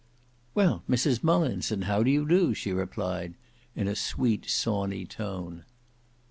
"Well, Mrs Mullins, and how do you do?" she replied, "in a sweet sawney tone."